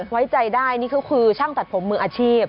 ไว้ใจได้นี่เขาคือช่างตัดผมมืออาชีพ